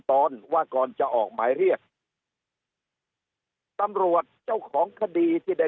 ตอนว่าก่อนจะออกหมายเรียกตำรวจเจ้าของคดีที่ได้